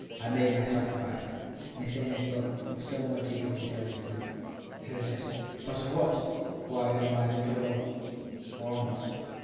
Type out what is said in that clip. I made my sacrifice. Miss Amy, though still more deeply interrogative, hesitated. 1 But of what ? 1 Why, of my little all or almost.